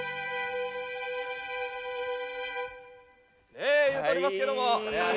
ねえ言うとりますけども。